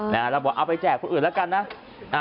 แล้วบอกเอาไปแจกคนอื่นแล้วกันนะ